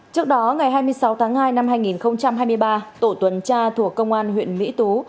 trước đó ngày hai mươi sáu tháng hai năm hai nghìn hai mươi ba tổ tuần tra thuộc công an huyện mỹ tú